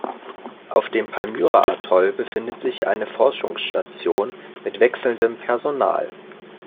Auf dem Palmyra-Atoll befindet sich eine Forschungsstation mit wechselndem Personal.